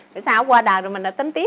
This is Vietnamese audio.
rồi sau qua đời rồi mình đã tính tiếp